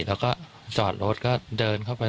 เขาก็จอดรถก็เดินเข้าไป